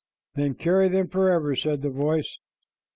"Then carry them forever," said the voice.